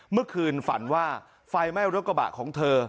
เมื่อคืนฝันว่าไฟไหม้รถกระบะของเธอ